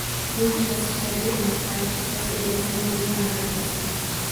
Bu kasb shakli emas, balki kasb egasining bilim va malakasi